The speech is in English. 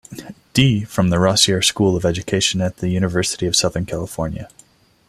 D. from the Rossier School of Education at the University of Southern California.